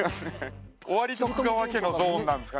尾張徳川家のゾーンなんですかね？